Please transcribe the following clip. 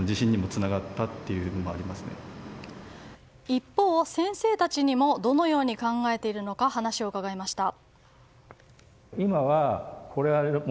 一方、先生たちにもどのように考えているのか話を伺いました。